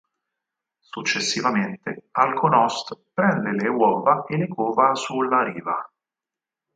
Successivamente Alkonо́st prende le uova e le cova sulla riva.